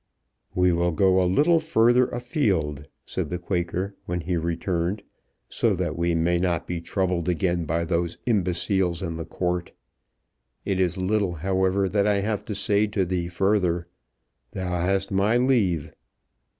"We will go a little further afield," said the Quaker, when he returned, "so that we may not be troubled again by those imbeciles in the court. It is little, however, that I have to say to thee further. Thou hast my leave."